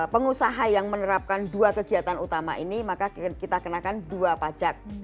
pengusaha yang menerapkan dua kegiatan utama ini maka kita kenakan dua pajak